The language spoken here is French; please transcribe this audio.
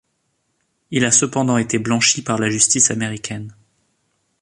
Il a cependant été blanchi par la justice américaine.